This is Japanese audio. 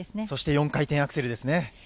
そして４回転アクセルですね。